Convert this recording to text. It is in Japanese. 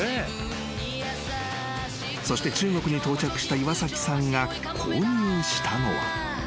［そして中国に到着した岩崎さんが購入したのは］